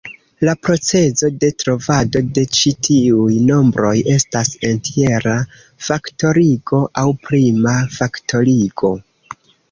La procezo de trovado de ĉi tiuj nombroj estas entjera faktorigo, aŭ prima faktorigo.